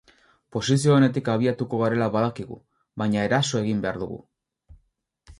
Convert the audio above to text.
Posizio onetik abiatuko garela badakigu, baina eraso egin behar dugu.